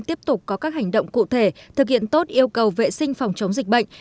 tiếp tục có các hành động cụ thể thực hiện tốt yêu cầu vệ sinh phòng chống dịch bệnh